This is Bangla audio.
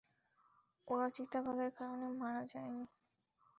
ওরা চিতাবাঘের কারণে মারা যায় নি?